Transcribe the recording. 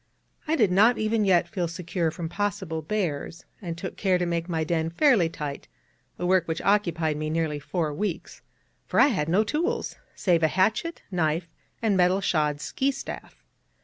I did not even yet feel secure from possible bears, and took care to make my den fairly tight, a work which occupied me nearly four weeks, for I had no tools, save a hatchet, knife, and metal shod ski staff.